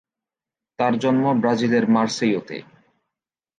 তার জন্ম ব্রাজিলের মারসেইওতে।